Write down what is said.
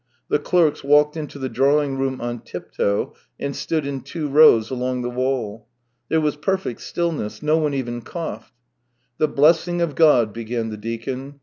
The clerks walked into the drawing room on tiptoe and stood in two rows along the wall. There was perfect stillness, no one even coughed. THREE YEARS 227 " The blessing of God," began the deacon.